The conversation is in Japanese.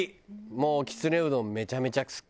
もうきつねうどんめちゃめちゃ好き。